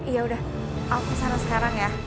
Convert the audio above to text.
yaudah aku saran sekarang ya